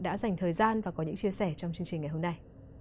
đã dành thời gian và có những chia sẻ trong chương trình ngày hôm nay